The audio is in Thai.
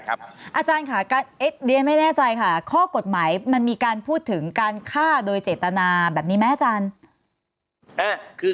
อาจารย์ค่ะเรียนไม่แน่ใจค่ะข้อกฎหมายมันมีการพูดถึงการฆ่าโดยเจตนาแบบนี้ไหมอาจารย์